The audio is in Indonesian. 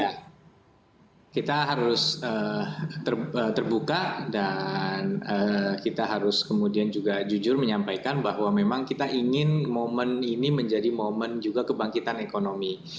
ya kita harus terbuka dan kita harus kemudian juga jujur menyampaikan bahwa memang kita ingin momen ini menjadi momen juga kebangkitan ekonomi